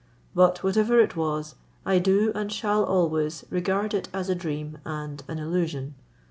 But whatever it was, I do, and shall always regard it as a dream and an illusion.